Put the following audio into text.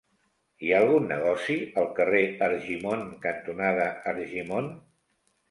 Hi ha algun negoci al carrer Argimon cantonada Argimon?